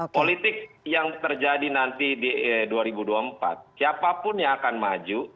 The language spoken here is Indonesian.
politik yang terjadi nanti di dua ribu dua puluh empat siapapun yang akan maju